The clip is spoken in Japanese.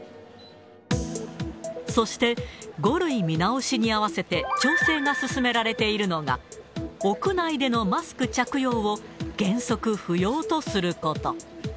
そして、５類見直しに合わせて調整が進められているのが、屋内でのマスク着用を原則不要とすること。